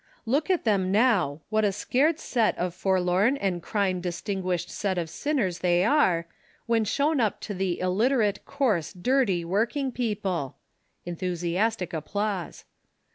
] Look at them now, what a scared set of forlorn and crime distinguislied set of sinners they are, when shown up to the ' illiterate, coarse, dirty working peojyle /' [Enthusiastic applause.